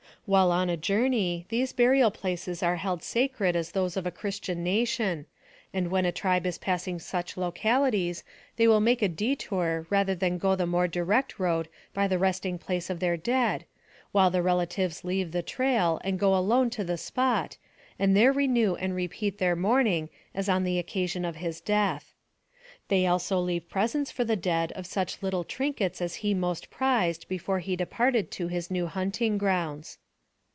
While on a journey, these burial places are held sacred as those of a Christian nation, and when a tribe is pass ing such localities they will make a detour rather than go the more direct road by the resting place of their dead, while the relatives leave the trail and go alone to the spot, and there renew and repeat their mourning as on the occasion of his death. They also leave presents for the dead of such little trinkets as he most prized before he departed to his new hunting grounds.